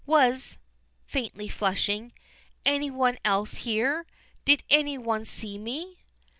"Was," faintly flushing, "any one else here? Did any one see me?"